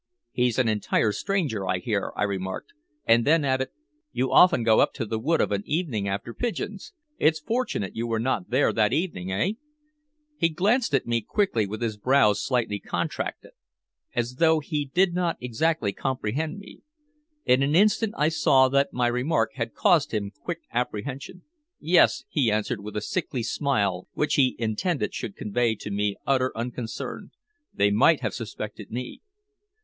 "He's an entire stranger, I hear," I remarked. And then added: "You often go up to the wood of an evening after pigeons. It's fortunate you were not there that evening, eh?" He glanced at me quickly with his brows slightly contracted, as though he did not exactly comprehend me. In an instant I saw that my remark had caused him quick apprehension. "Yes," he answered with a sickly smile which he intended should convey to me utter unconcern. "They might have suspected me."